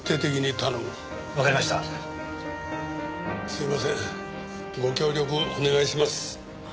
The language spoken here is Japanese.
すいませんご協力お願いします。